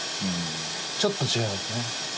ちょっと違いますね。